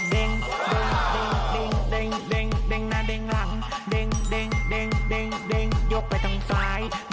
เด้งเยอะไปทางซ้าย